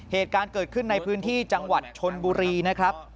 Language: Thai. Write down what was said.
เหตุการณ์เกิดขึ้นในพื้นที่จังหวัดชนบุรีนะครับ